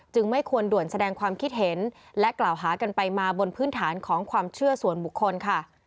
ไม่ควรด่วนแสดงความคิดเห็นและกล่าวหากันไปมาบนพื้นฐานของความเชื่อส่วนบุคคลค่ะ